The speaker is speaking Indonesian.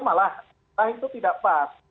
malah itu tidak pas